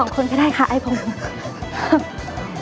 คนก็ได้ค่ะไอ้ผม